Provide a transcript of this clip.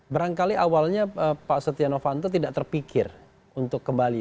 barangkali awalnya pak setia novanto tidak terpikir untuk kembali